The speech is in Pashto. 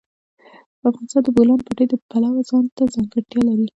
افغانستان د د بولان پټي د پلوه ځانته ځانګړتیا لري.